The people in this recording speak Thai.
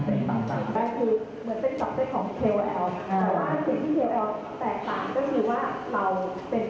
แต่ว่าคุณจะรับระบบเดิมหรือว่าทำไมเราถึง